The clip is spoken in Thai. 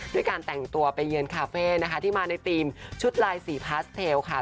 ด้วยการแต่งตัวไปเยือนคาเฟ่นะคะที่มาในธีมชุดลายสีพาสเทลค่ะ